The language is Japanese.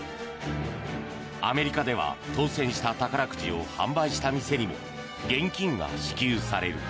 アメリカでは当選した宝くじを販売した店にも現金が支給される。